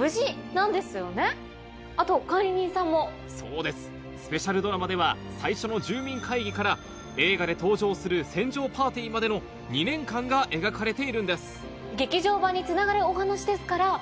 そうですスペシャルドラマでは最初の住民会議から映画で登場する船上パーティーまでの２年間が描かれているんです劇場版につながるお話ですから。